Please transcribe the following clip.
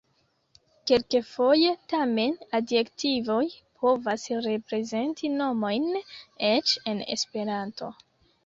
Kelkfoje tamen adjektivoj povas reprezenti nomojn, eĉ en Esperanto.